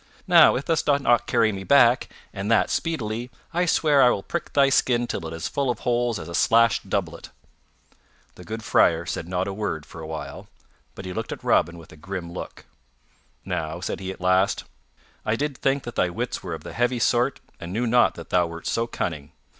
Now if thou dost not carry me back, and that speedily, I swear I will prick thy skin till it is as full of holes as a slashed doublet." The good Friar said not a word for a while, but he looked at Robin with a grim look. "Now," said he at last, "I did think that thy wits were of the heavy sort and knew not that thou wert so cunning.